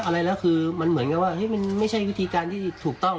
อะไรแล้วคือมันเหมือนกับว่ามันไม่ใช่วิธีการที่ถูกต้อง